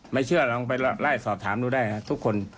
ไม่เชื่อลองไปไล่สอบถามดูได้ทุกคน